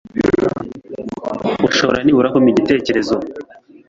Urashobora nibura kumpa igitekerezo.